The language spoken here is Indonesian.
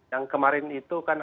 yang kemarin itu kan